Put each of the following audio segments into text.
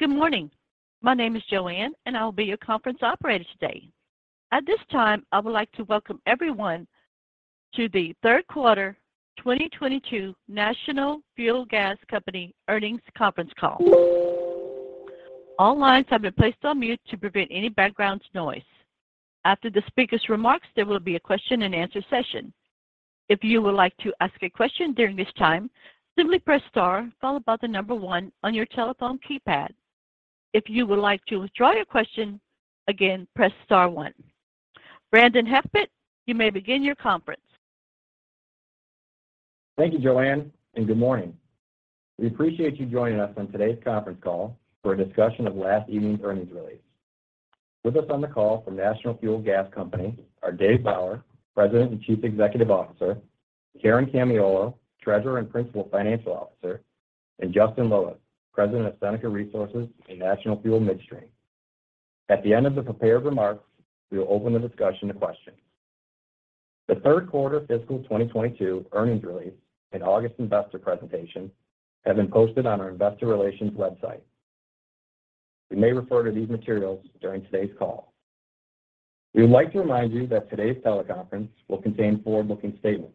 Good morning. My name is Joanne, and I'll be your conference operator today. At this time, I would like to welcome everyone to the Q3 2022 National Fuel Gas Company earnings conference call. All lines have been placed on mute to prevent any background noise. After the speaker's remarks, there will be a question and answer session. If you would like to ask a question during this time, simply press star followed by the number one on your telephone keypad. If you would like to withdraw your question, again, press star one. Brandon Haspett, you may begin your conference. Thank you, Joanne, and good morning. We appreciate you joining us on today's conference call for a discussion of last evening's earnings release. With us on the call from National Fuel Gas Company are David P. Bauer, President and Chief Executive Officer, Karen M. Camiolo, Treasurer and Principal Financial Officer, and Justin I. Loweth, President of Seneca Resources and National Fuel Midstream. At the end of the prepared remarks, we will open the discussion to questions. The Q3 fiscal 2022 earnings release and August investor presentation have been posted on our investor relations website. We may refer to these materials during today's call. We would like to remind you that today's teleconference will contain forward-looking statements.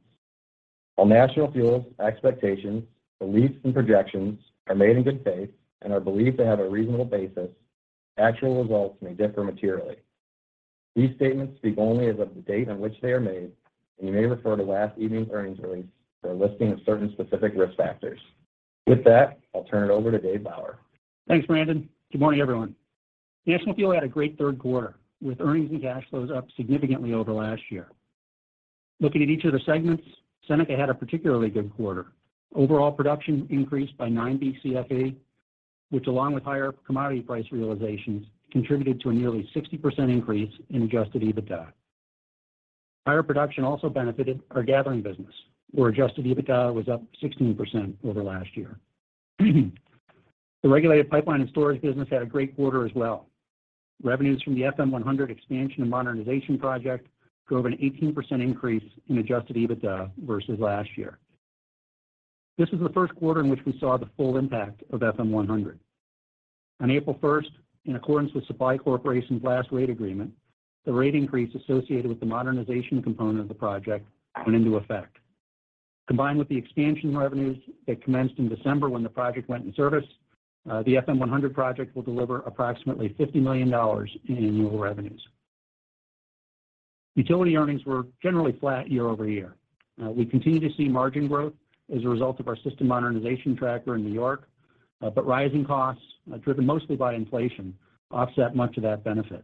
While National Fuel's expectations, beliefs, and projections are made in good faith and are believed to have a reasonable basis, actual results may differ materially. These statements speak only as of the date on which they are made, and you may refer to last evening's earnings release for a listing of certain specific risk factors. With that, I'll turn it over to Dave Bauer. Thanks, Brandon. Good morning, everyone. National Fuel had a great Q3, with earnings and cash flows up significantly over last year. Looking at each of the segments, Seneca had a particularly good quarter. Overall production increased by 9 Bcf, which along with higher commodity price realizations, contributed to a nearly 60% increase in adjusted EBITDA. Higher production also benefited our gathering business, where adjusted EBITDA was up 16% over last year. The regulated pipeline and storage business had a great quarter as well. Revenues from the FM100 expansion and modernization project drove an 18% increase in adjusted EBITDA versus last year. This is the Q1 in which we saw the full impact of FM100. On April 1st, in accordance with National Fuel Gas Supply Corporation's last rate agreement, the rate increase associated with the modernization component of the project went into effect. Combined with the expansion revenues that commenced in December when the project went in service, the FM100 project will deliver approximately $50 million in annual revenues. Utility earnings were generally flat year-over-year. We continue to see margin growth as a result of our system modernization tracker in New York, but rising costs, driven mostly by inflation, offset much of that benefit.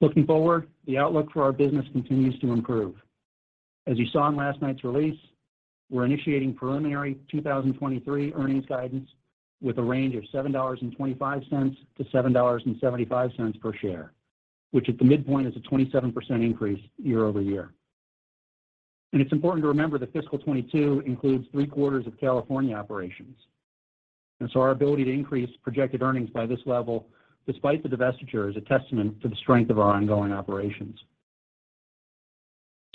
Looking forward, the outlook for our business continues to improve. As you saw in last night's release, we're initiating preliminary 2023 earnings guidance with a range of $7.25-$7.75 per share, which at the midpoint is a 27% increase year-over-year. It's important to remember that fiscal 2022 includes three quarters of California operations. Our ability to increase projected earnings by this level despite the divestiture is a testament to the strength of our ongoing operations.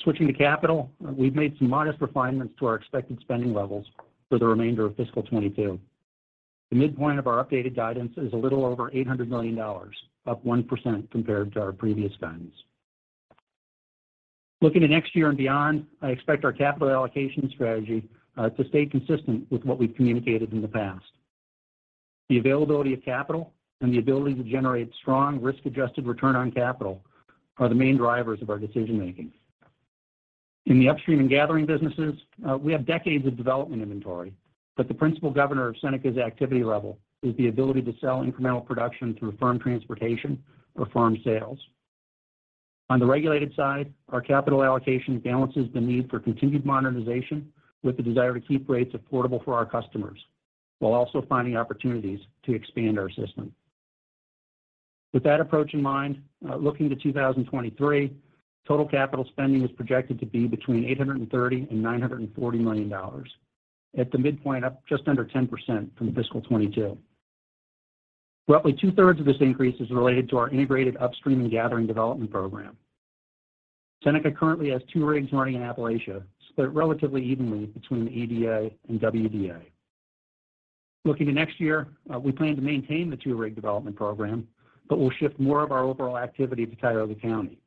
Switching to capital, we've made some modest refinements to our expected spending levels for the remainder of fiscal 2022. The midpoint of our updated guidance is a little over $800 million, up 1% compared to our previous guidance. Looking to next year and beyond, I expect our capital allocation strategy to stay consistent with what we've communicated in the past. The availability of capital and the ability to generate strong risk-adjusted return on capital are the main drivers of our decision-making. In the upstream and gathering businesses, we have decades of development inventory, but the principal governor of Seneca's activity level is the ability to sell incremental production through firm transportation or firm sales. On the regulated side, our capital allocation balances the need for continued modernization with the desire to keep rates affordable for our customers while also finding opportunities to expand our system. With that approach in mind, looking to 2023, total capital spending is projected to be between $830 million and $940 million. At the midpoint, up just under 10% from fiscal 2022. Roughly two-thirds of this increase is related to our integrated upstream and gathering development program. Seneca currently has two rigs running in Appalachia, split relatively evenly bettwoeen the EDA and WDA. Looking to next year, we plan to maintain the two-rig development program, but we'll shift more of our overall activity to Tyler County.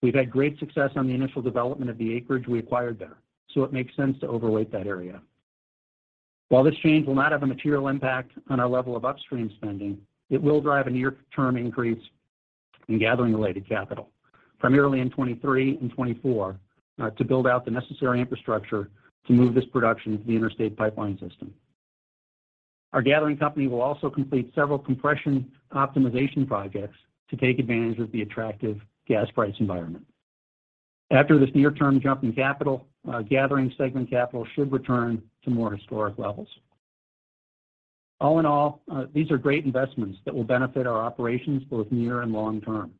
We've had great success on the initial development of the acreage we acquired there, so it makes sense to overweight that area. While this change will not have a material impact on our level of upstream spending, it will drive a near-term increase in gathering-related capital, primarily in 2023 and 2024, to build out the necessary infrastructure to move this production to the interstate pipeline system. Our gathering company will also complete several compression optimization projects to take advantage of the attractive gas price environment. After this near-term jump in capital, gathering segment capital should return to more historic levels. All in all, these are great investments that will benefit our operations both near and long term.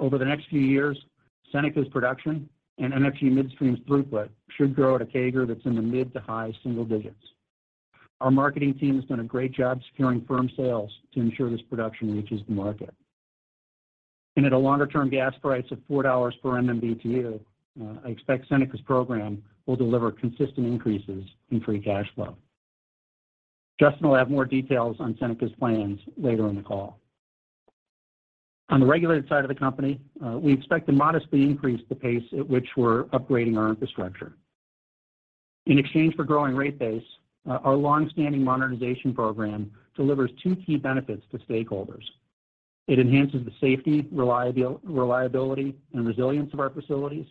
Over the next few years, Seneca's production and NFG Midstream's throughput should grow at a CAGR that's in the mid- to high-single digits. Our marketing team has done a great job securing firm sales to ensure this production reaches the market. At a longer-term gas price of $4 per MMBtu, I expect Seneca's program will deliver consistent increases in free cash flow. Justin will have more details on Seneca's plans later in the call. On the regulated side of the company, we expect to modestly increase the pace at which we're upgrading our infrastructure. In exchange for growing rate base, our long-standing modernization program delivers two key benefits to stakeholders. It enhances the safety, reliability, and resilience of our facilities,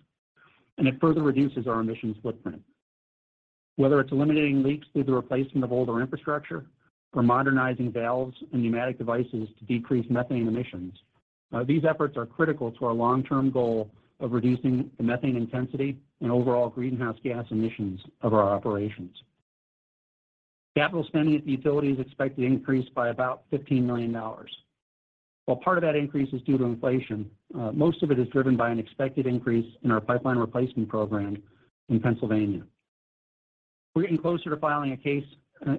and it further reduces our emissions footprint. Whether it's eliminating leaks through the replacement of older infrastructure or modernizing valves and pneumatic devices to decrease methane emissions, these efforts are critical to our long-term goal of reducing the methane intensity and overall greenhouse gas emissions of our operations. Capital spending at the utility is expected to increase by about $15 million. While part of that increase is due to inflation, most of it is driven by an expected increase in our pipeline replacement program in Pennsylvania. We're getting closer to filing a case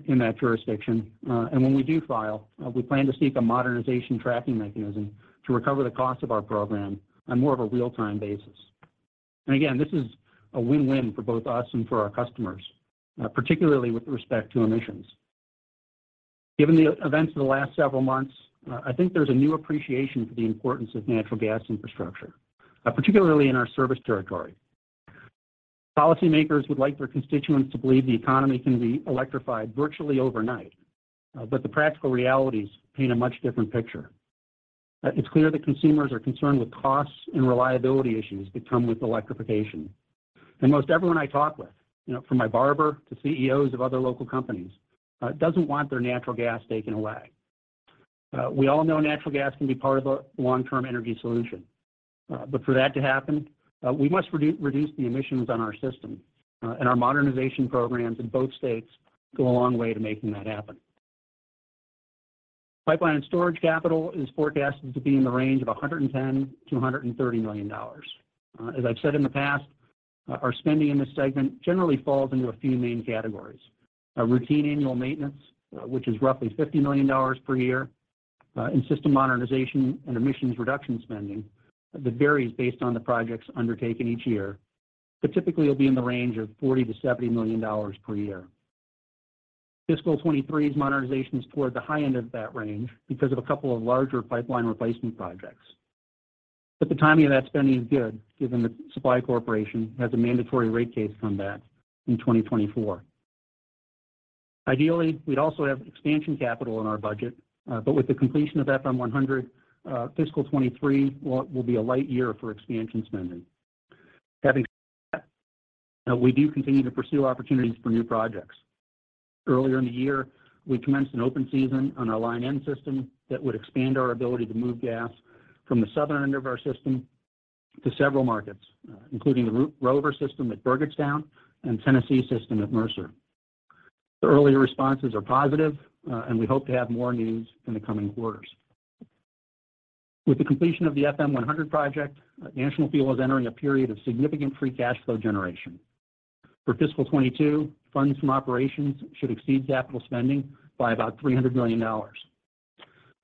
in that jurisdiction, and when we do file, we plan to seek a modernization tracking mechanism to recover the cost of our program on more of a real-time basis. Again, this is a win-win for both us and for our customers, particularly with respect to emissions. Given the events of the last several months, I think there's a new appreciation for the importance of natural gas infrastructure, particularly in our service territory. Policy makers would like their constituents to believe the economy can be electrified virtually overnight, but the practical realities paint a much different picture. It's clear that consumers are concerned with costs and reliability issues that come with electrification. Most everyone I talk with, you know, from my barber to CEOs of other local companies, doesn't want their natural gas taken away. We all know natural gas can be part of a long-term energy solution, but for that to happen, we must reduce the emissions on our system, and our modernization programs in both states go a long way to making that happen. Pipeline and storage capital is forecasted to be in the range of $110 million-$130 million. As I've said in the past, our spending in this segment generally falls into a few main categories. A routine annual maintenance, which is roughly $50 million per year, and system modernization and emissions reduction spending that varies based on the projects undertaken each year, but typically will be in the range of $40 million-$70 million per year. Fiscal 2023's modernization is toward the high end of that range because of a couple of larger pipeline replacement projects. The timing of that spending is good given that Supply Corporation has a mandatory rate case comment in 2024. Ideally, we'd also have expansion capital in our budget, but with the completion of FM100, Fiscal 2023 will be a light year for expansion spending. Having said that, we do continue to pursue opportunities for new projects. Earlier in the year, we commenced an open season on our Line N system that would expand our ability to move gas from the southern end of our system to several markets, including the Rover system at Burgettstown and Tennessee system at Mercer. The early responses are positive, and we hope to have more news in the coming quarters. With the completion of the FM100 project, National Fuel is entering a period of significant free cash flow generation. For fiscal 2022, funds from operations should exceed capital spending by about $300 million.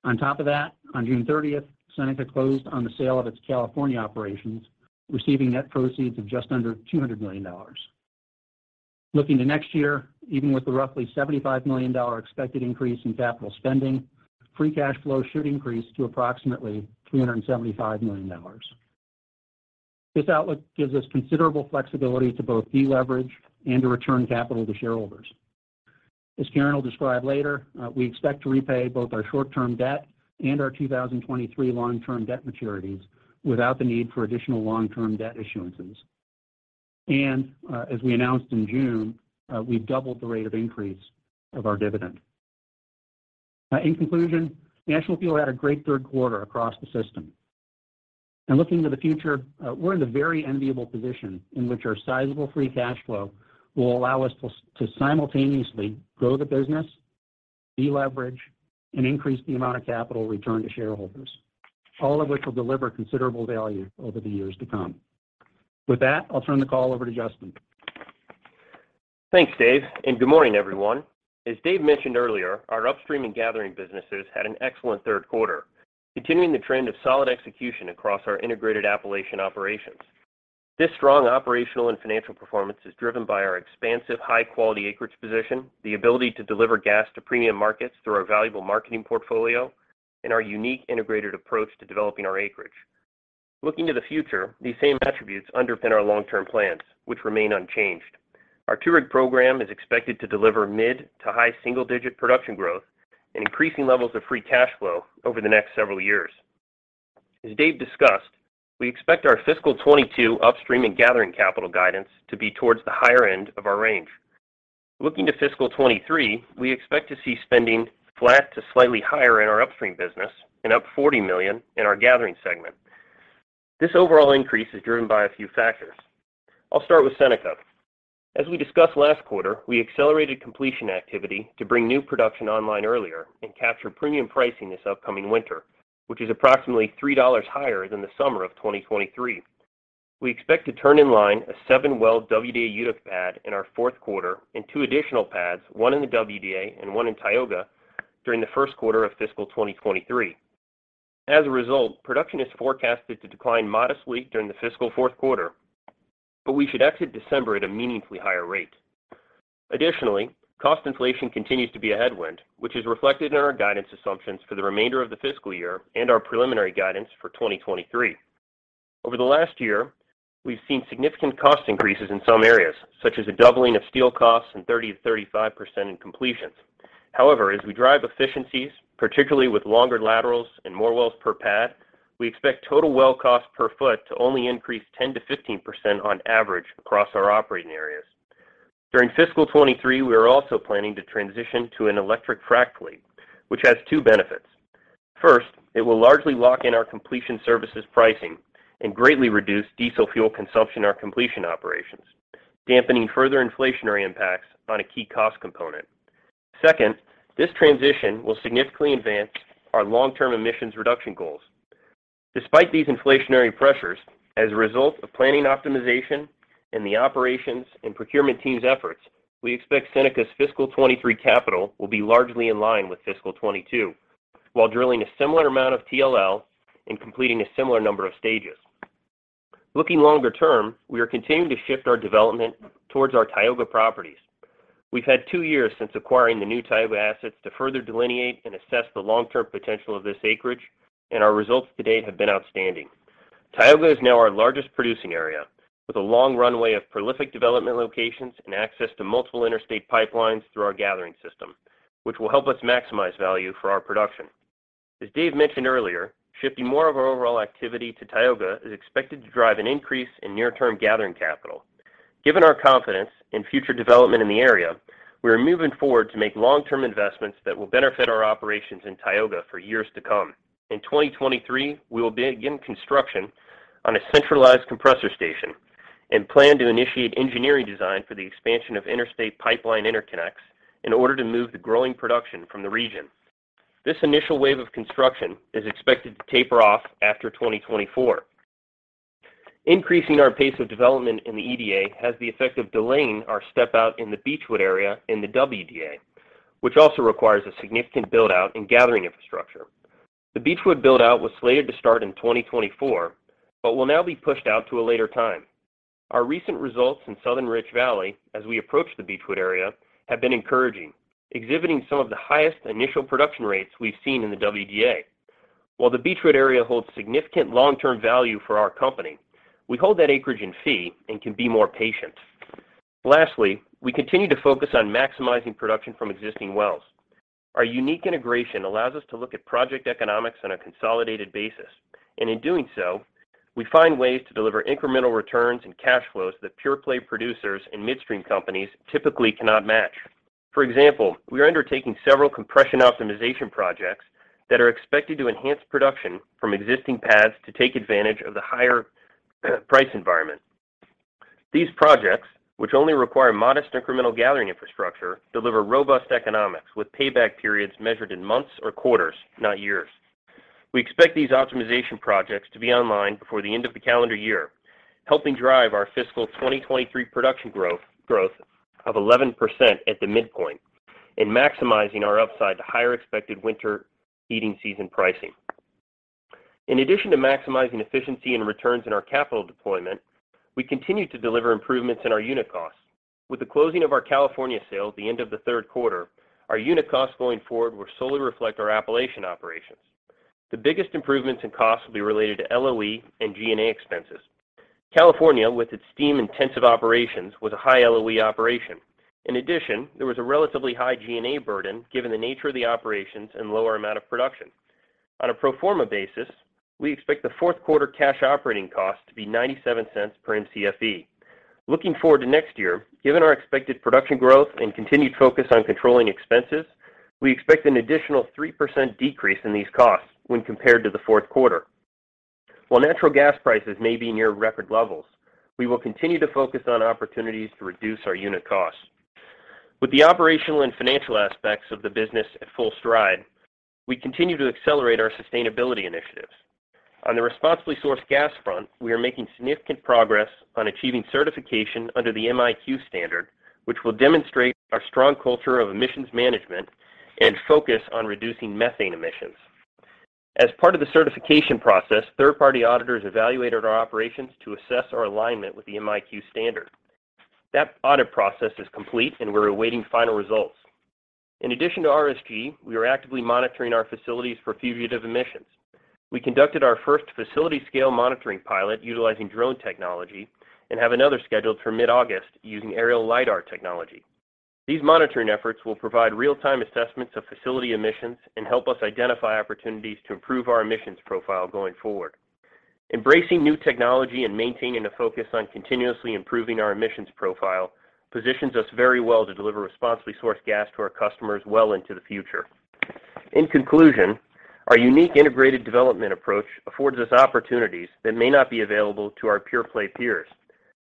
On top of that, on June 30th, Seneca closed on the sale of its California operations, receiving net proceeds of just under $200 million. Looking to next year, even with the roughly $75 million expected increase in capital spending, free cash flow should increase to approximately $375 million. This outlook gives us considerable flexibility to both deleverage and to return capital to shareholders. As Karen will describe later, we expect to repay both our short-term debt and our 2023 long-term debt maturities without the need for additional long-term debt issuances. As we announced in June, we've doubled the rate of increase of our dividend. In conclusion, National Fuel had a great Q3 across the system. Looking to the future, we're in a very enviable position in which our sizable free cash flow will allow us to simultaneously grow the business, deleverage, and increase the amount of capital returned to shareholders, all of which will deliver considerable value over the years to come. With that, I'll turn the call over to Justin. Thanks, Dave, and good morning, everyone. As Dave mentioned earlier, our upstream and gathering businesses had an excellent Q3, continuing the trend of solid execution across our integrated Appalachian operations. This strong operational and financial performance is driven by our expansive high-quality acreage position, the ability to deliver gas to premium markets through our valuable marketing portfolio, and our unique integrated approach to developing our acreage. Looking to the future, these same attributes underpin our long-term plans, which remain unchanged. Our 2-rig program is expected to deliver mid to high single-digit production growth and increasing levels of free cash flow over the next several years. As Dave discussed, we expect our fiscal 2022 upstream and gathering capital guidance to be towards the higher end of our range. Looking to fiscal 2023, we expect to see spending flat to slightly higher in our upstream business and up $40 million in our gathering segment. This overall increase is driven by a few factors. I'll start with Seneca. As we discussed last quarter, we accelerated completion activity to bring new production online earlier and capture premium pricing this upcoming winter, which is approximately $3 higher than the summer of 2023. We expect to turn in line a seven-well WDA Utica pad in our Q4 and two additional pads, one in the WDA and one in Tioga, during the Q1 of fiscal 2023. As a result, production is forecasted to decline modestly during the fiscal Q4, but we should exit December at a meaningfully higher rate. Additionally, cost inflation continues to be a headwind, which is reflected in our guidance assumptions for the remainder of the fiscal year and our preliminary guidance for 2023. Over the last year, we've seen significant cost increases in some areas, such as a doubling of steel costs and 30%-35% in completions. However, as we drive efficiencies, particularly with longer laterals and more wells per pad, we expect total well cost per foot to only increase 10%-15% on average across our operating areas. During fiscal 2023, we are also planning to transition to an electric frac fleet, which has two benefits. First, it will largely lock in our completion services pricing and greatly reduce diesel fuel consumption in our completion operations, dampening further inflationary impacts on a key cost component. Second, this transition will significantly advance our long-term emissions reduction goals. Despite these inflationary pressures, as a result of planning optimization and the operations and procurement team's efforts, we expect Seneca's fiscal 2023 capital will be largely in line with fiscal 2022, while drilling a similar amount of TLL and completing a similar number of stages. Looking longer term, we are continuing to shift our development towards our Tioga properties. We've had two years since acquiring the new Tioga assets to further delineate and assess the long-term potential of this acreage, and our results to date have been outstanding. Tioga is now our largest producing area, with a long runway of prolific development locations and access to multiple interstate pipelines through our gathering system, which will help us maximize value for our production. As Dave mentioned earlier, shifting more of our overall activity to Tioga is expected to drive an increase in near-term gathering capital. Given our confidence in future development in the area, we are moving forward to make long-term investments that will benefit our operations in Tioga for years to come. In 2023, we will begin construction on a centralized compressor station and plan to initiate engineering design for the expansion of interstate pipeline interconnects in order to move the growing production from the region. This initial wave of construction is expected to taper off after 2024. Increasing our pace of development in the EDA has the effect of delaying our step out in the Beechwood area in the WDA, which also requires a significant build out in gathering infrastructure. The Beechwood build out was slated to start in 2024, but will now be pushed out to a later time. Our recent results in Southern Rich Valley, as we approach the Beechwood area, have been encouraging, exhibiting some of the highest initial production rates we've seen in the WDA. While the Beechwood area holds significant long-term value for our company, we hold that acreage in fee and can be more patient. Lastly, we continue to focus on maximizing production from existing wells. Our unique integration allows us to look at project economics on a consolidated basis, and in doing so, we find ways to deliver incremental returns and cash flows that pure-play producers and midstream companies typically cannot match. For example, we are undertaking several compression optimization projects that are expected to enhance production from existing pads to take advantage of the higher price environment. These projects, which only require modest incremental gathering infrastructure, deliver robust economics with payback periods measured in months or quarters, not years. We expect these optimization projects to be online before the end of the calendar year, helping drive our fiscal 2023 production growth of 11% at the midpoint and maximizing our upside to higher expected winter heating season pricing. In addition to maximizing efficiency and returns in our capital deployment, we continue to deliver improvements in our unit costs. With the closing of our California sale at the end of the Q3, our unit costs going forward will solely reflect our Appalachian operations. The biggest improvements in costs will be related to LOE and G&A expenses. California, with its steam-intensive operations, was a high LOE operation. In addition, there was a relatively high G&A burden given the nature of the operations and lower amount of production. On a pro forma basis, we expect the Q4 cash operating cost to be $0.97 per Mcfe. Looking forward to next year, given our expected production growth and continued focus on controlling expenses, we expect an additional 3% decrease in these costs when compared to the Q4. While natural gas prices may be near record levels, we will continue to focus on opportunities to reduce our unit costs. With the operational and financial aspects of the business at full stride, we continue to accelerate our sustainability initiatives. On the responsibly sourced gas front, we are making significant progress on achieving certification under the MIQ standard, which will demonstrate our strong culture of emissions management and focus on reducing methane emissions. As part of the certification process, third-party auditors evaluated our operations to assess our alignment with the MIQ standard. That audit process is complete, and we're awaiting final results. In addition to RSG, we are actively monitoring our facilities for fugitive emissions. We conducted our first facility scale monitoring pilot utilizing drone technology and have another scheduled for mid-August using aerial lidar technology. These monitoring efforts will provide real-time assessments of facility emissions and help us identify opportunities to improve our emissions profile going forward. Embracing new technology and maintaining a focus on continuously improving our emissions profile positions us very well to deliver responsibly sourced gas to our customers well into the future. In conclusion, our unique integrated development approach affords us opportunities that may not be available to our pure-play peers.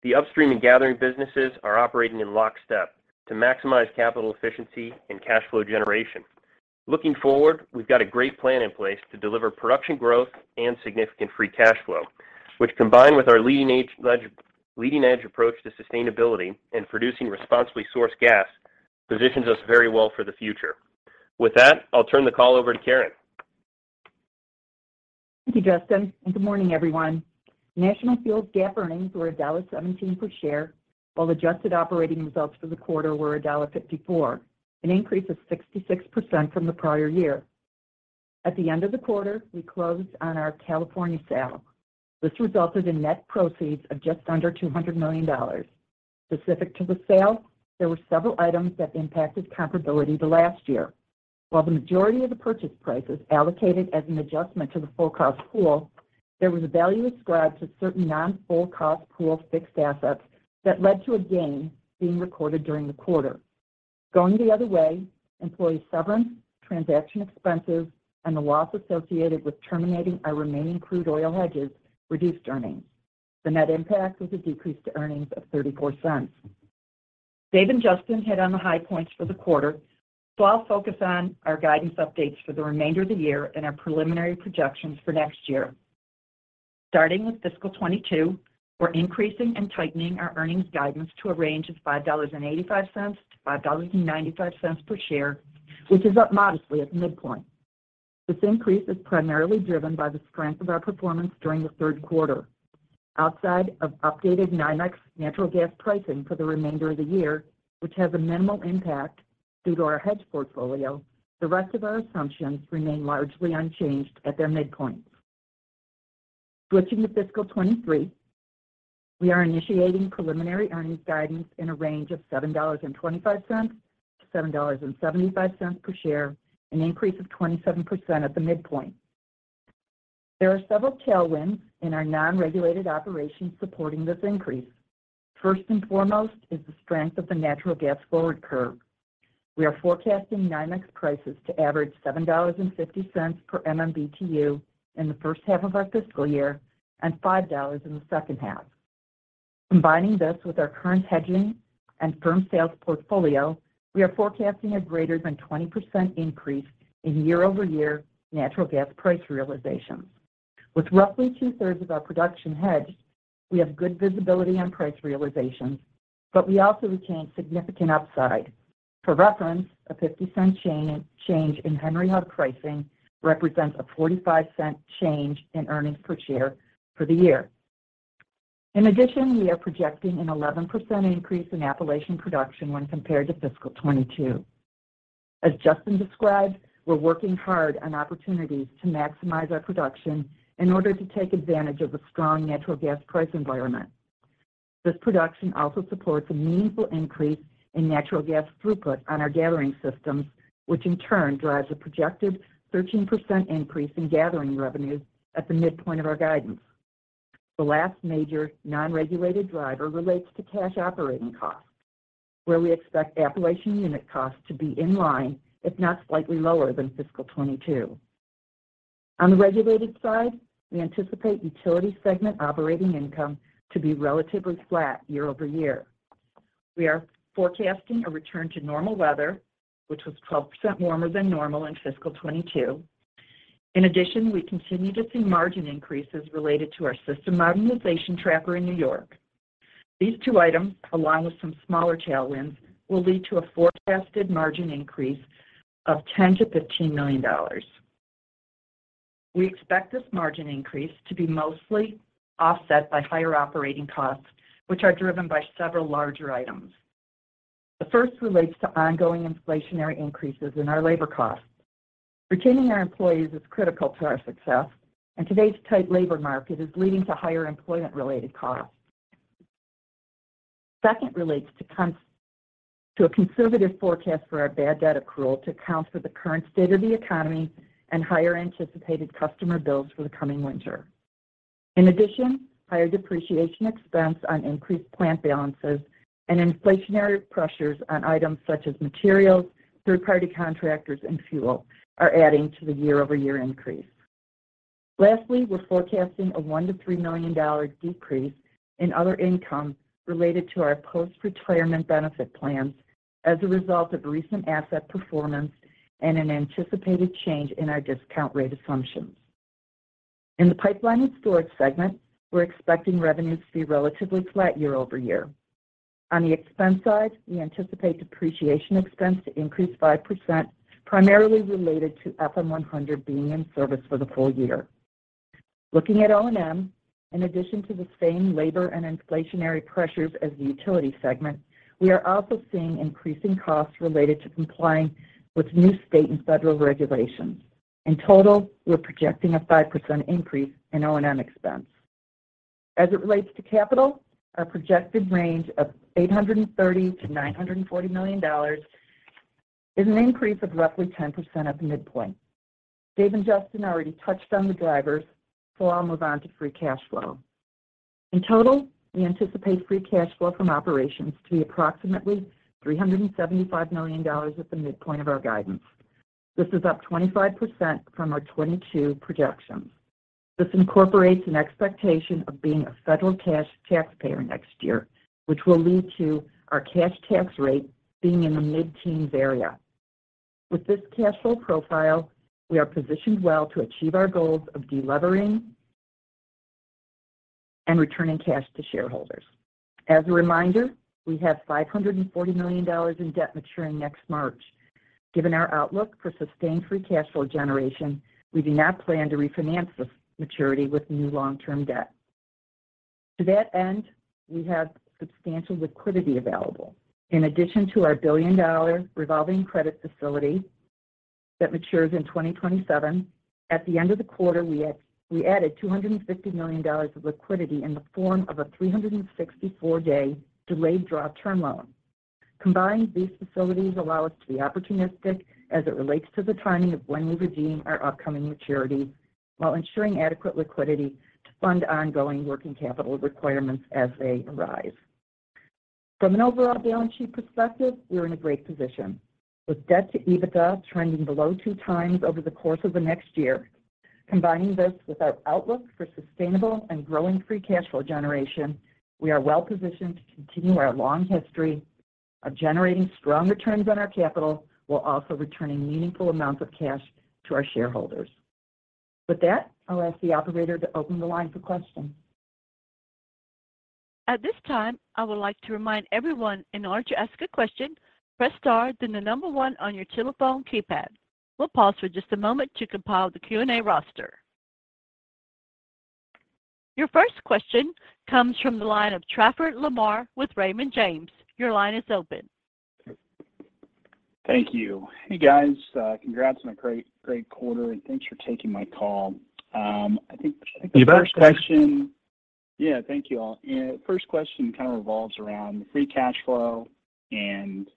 The upstream and gathering businesses are operating in lockstep to maximize capital efficiency and cash flow generation. Looking forward, we've got a great plan in place to deliver production growth and significant free cash flow, which combined with our leading-edge approach to sustainability and producing responsibly sourced gas, positions us very well for the future. With that, I'll turn the call over to Karen. Thank you, Justin, and good morning, everyone. National Fuel GAAP earnings were $1.17 per share, while adjusted operating results for the quarter were $1.54, an increase of 66% from the prior year. At the end of the quarter, we closed on our California sale. This resulted in net proceeds of just under $200 million. Specific to the sale, there were several items that impacted comparability to last year. While the majority of the purchase price was allocated as an adjustment to the full cost pool, there was a value ascribed to certain non-full cost pool fixed assets that led to a gain being recorded during the quarter. Going the other way, employee severance, transaction expenses, and the loss associated with terminating our remaining crude oil hedges reduced earnings. The net impact was a decrease to earnings of $0.34. Dave and Justin hit on the high points for the quarter, so I'll focus on our guidance updates for the remainder of the year and our preliminary projections for next year. Starting with fiscal 2022, we're increasing and tightening our earnings guidance to a range of $5.85-$5.95 per share, which is up modestly at midpoint. This increase is primarily driven by the strength of our performance during the Q3. Outside of updated NYMEX natural gas pricing for the remainder of the year, which has a minimal impact due to our hedge portfolio, the rest of our assumptions remain largely unchanged at their midpoint. Switching to fiscal 2023, we are initiating preliminary earnings guidance in a range of $7.25-$7.75 per share, an increase of 27% at the midpoint. There are several tailwinds in our non-regulated operations supporting this increase. First and foremost is the strength of the natural gas forward curve. We are forecasting NYMEX prices to average $7.50 per MMBtu in the first half of our fiscal year and $5 in the H2. Combining this with our current hedging and firm sales portfolio, we are forecasting a greater than 20% increase in year-over-year natural gas price realizations. With roughly two-thirds of our production hedged, we have good visibility on price realizations, but we also retain significant upside. For reference, a $0.50 change in Henry Hub pricing represents a $0.45 change in earnings per share for the year. In addition, we are projecting an 11% increase in Appalachian production when compared to fiscal 2022. As Justin described, we're working hard on opportunities to maximize our production in order to take advantage of the strong natural gas price environment. This production also supports a meaningful increase in natural gas throughput on our gathering systems, which in turn drives a projected 13% increase in gathering revenues at the midpoint of our guidance. The last major non-regulated driver relates to cash operating costs, where we expect Appalachian unit costs to be in line, if not slightly lower than fiscal 2022. On the regulated side, we anticipate utility segment operating income to be relatively flat year-over-year. We are forecasting a return to normal weather, which was 12% warmer than normal in fiscal 2022. In addition, we continue to see margin increases related to our system modernization tracker in New York. These two items, along with some smaller tailwinds, will lead to a forecasted margin increase of $10 million-$15 million. We expect this margin increase to be mostly offset by higher operating costs, which are driven by several larger items. The first relates to ongoing inflationary increases in our labor costs. Retaining our employees is critical to our success, and today's tight labor market is leading to higher employment-related costs. Second relates to a conservative forecast for our bad debt accrual to account for the current state of the economy and higher anticipated customer bills for the coming winter. In addition, higher depreciation expense on increased plant balances and inflationary pressures on items such as materials, third-party contractors, and fuel are adding to the year-over-year increase. Lastly, we're forecasting a $1-$3 million decrease in other income related to our post-retirement benefit plans as a result of recent asset performance and an anticipated change in our discount rate assumptions. In the pipeline and storage segment, we're expecting revenues to be relatively flat year-over-year. On the expense side, we anticipate depreciation expense to increase 5%, primarily related to FM100 being in service for the full year. Looking at O&M, in addition to the same labor and inflationary pressures as the utility segment, we are also seeing increasing costs related to complying with new state and federal regulations. In total, we're projecting a 5% increase in O&M expense. As it relates to capital, our projected range of $830 million-$940 million is an increase of roughly 10% at the midpoint. Dave and Justin already touched on the drivers, so I'll move on to free cash flow. In total, we anticipate free cash flow from operations to be approximately $375 million at the midpoint of our guidance. This is up 25% from our 22 projections. This incorporates an expectation of being a federal cash taxpayer next year, which will lead to our cash tax rate being in the mid-teens area. With this cash flow profile, we are positioned well to achieve our goals of delevering and returning cash to shareholders. As a reminder, we have $540 million in debt maturing next March. Given our outlook for sustained free cash flow generation, we do not plan to refinance this maturity with new long-term debt. To that end, we have substantial liquidity available. In addition to our $1 billion revolving credit facility that matures in 2027, at the end of the quarter, we added $250 million of liquidity in the form of a 364-day delayed draw term loan. Combined, these facilities allow us to be opportunistic as it relates to the timing of when we redeem our upcoming maturities while ensuring adequate liquidity to fund ongoing working capital requirements as they arise. From an overall balance sheet perspective, we are in a great position. With debt to EBITDA trending below 2x over the course of the next year. Combining this with our outlook for sustainable and growing free cash flow generation, we are well-positioned to continue our long history of generating strong returns on our capital, while also returning meaningful amounts of cash to our shareholders. With that, I'll ask the operator to open the line for questions. At this time, I would like to remind everyone in order to ask a question, press star, then the number one on your telephone keypad. We'll pause for just a moment to compile the Q&A roster. Your first question comes from the line of Trafford Lamar with Raymond James. Your line is open. Thank you. Hey, guys. Congrats on a great quarter, and thanks for taking my call. I think the first question. You bet. Yeah. Thank you all. First question kind of revolves around free cash flow and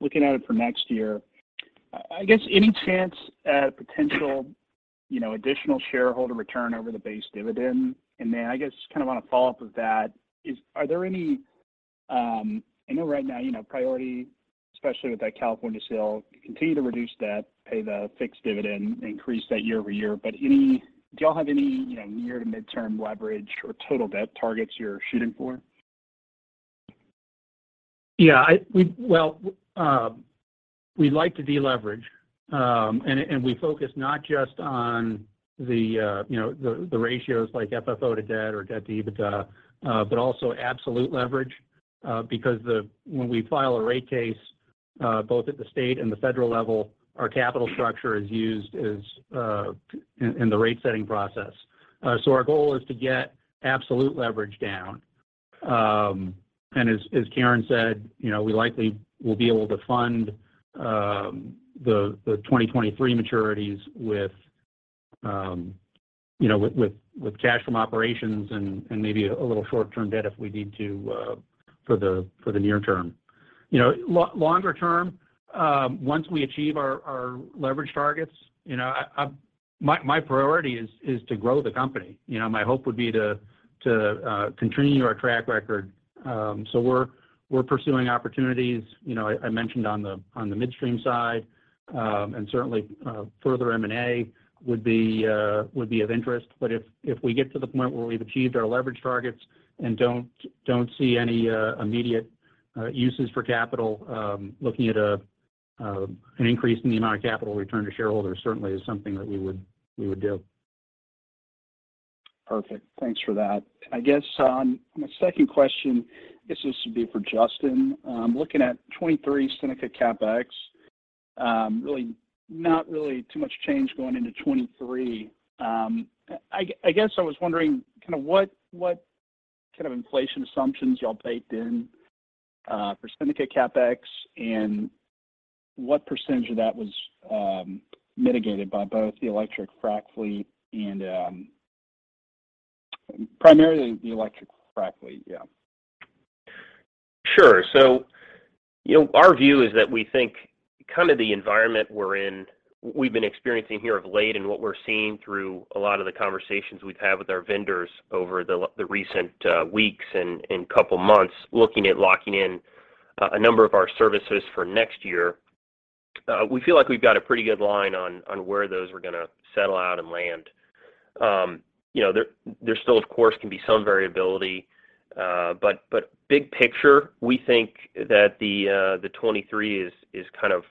looking at it for next year. I guess any chance at a potential, you know, additional shareholder return over the base dividend? Then I guess kind of on a follow-up of that is are there any? I know right now, you know, priority, especially with that California sale, continue to reduce debt, pay the fixed dividend, increase that year-over-year. But any do you all have any, you know, near to midterm leverage or total debt targets you're shooting for? Well, we'd like to deleverage. And we focus not just on the, you know, the ratios like FFO to debt or debt to EBITDA, but also absolute leverage. Because when we file a rate case, both at the state and the federal level, our capital structure is used as, in the rate setting process. So our goal is to get absolute leverage down. And as Karen said, you know, we likely will be able to fund the 2023 maturities with, you know, with cash from operations and maybe a little short-term debt if we need to, for the near term. You know, longer term, once we achieve our leverage targets, you know, my priority is to grow the company. You know, my hope would be to continue our track record. We're pursuing opportunities. You know, I mentioned on the midstream side, and certainly, further M&A would be of interest. If we get to the point where we've achieved our leverage targets and don't see any immediate uses for capital, looking at an increase in the amount of capital return to shareholders certainly is something that we would do. Perfect. Thanks for that. I guess on my second question, this is to be for Justin. Looking at 2023 Seneca CapEx, really, not really too much change going into 2023. I guess I was wondering kind of what kind of inflation assumptions y'all baked in for Seneca CapEx and what percentage of that was mitigated by both the electric frac fleet and primarily the electric frac fleet. Sure. You know, our view is that we think kind of the environment we're in, we've been experiencing here of late and what we're seeing through a lot of the conversations we've had with our vendors over the recent weeks and couple months looking at locking in a number of our services for next year, we feel like we've got a pretty good line on where those are gonna settle out and land. You know, there still of course can be some variability, but big picture, we think that the 2023 is kind of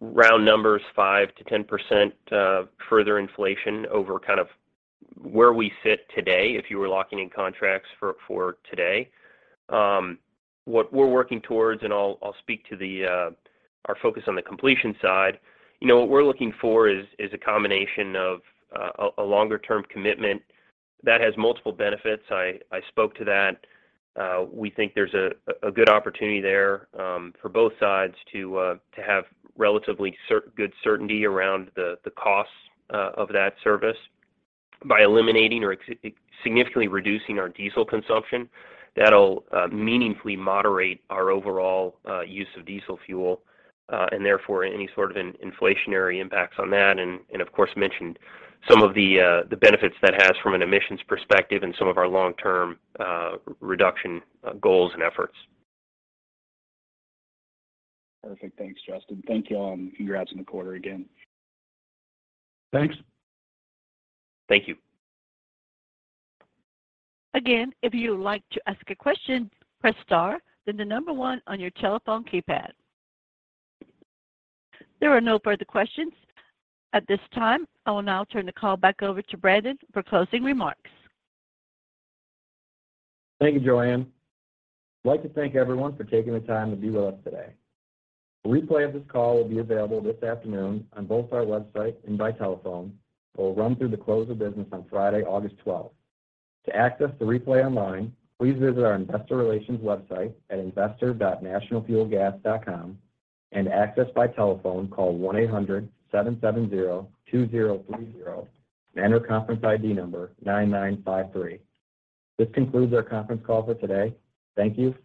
round numbers, 5%-10% further inflation over kind of where we sit today if you were locking in contracts for today. What we're working towards, and I'll speak to our focus on the completion side. You know, what we're looking for is a combination of a longer-term commitment that has multiple benefits. I spoke to that. We think there's a good opportunity there for both sides to have relatively good certainty around the costs of that service by eliminating or significantly reducing our diesel consumption. That'll meaningfully moderate our overall use of diesel fuel and therefore any sort of inflationary impacts on that. Of course, mentioned some of the benefits that has from an emissions perspective and some of our long-term reduction goals and efforts. Perfect. Thanks, Justin. Thank you all, and congrats on the quarter again. Thanks. Thank you. Again, if you would like to ask a question, press star, then the number one on your telephone keypad. There are no further questions at this time. I will now turn the call back over to Brandon for closing remarks. Thank you, Joanne. I'd like to thank everyone for taking the time to be with us today. A replay of this call will be available this afternoon on both our website and by telephone. It will run through the close of business on Friday, August 12th. To access the replay online, please visit our investor relations website at investor.nationalfuelgas.com and access by telephone, call 1-800-770-2030 and enter conference ID number 9953. This concludes our conference call for today. Thank you.